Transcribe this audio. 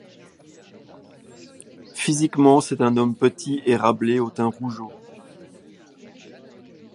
Physiquement, c’est un homme petit et râblé au teint rougeaud.